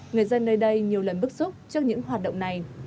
người dân nơi đây nhiều lần bức xúc trước những hoạt động này